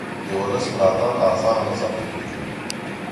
د ولس ملاتړ اسانه نه ساتل کېږي